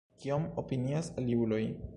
Kion opinias aliuloj?